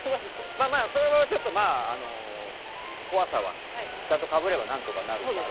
まあまあそれはちょっとまあ怖さはちゃんとかぶればなんとかなるから。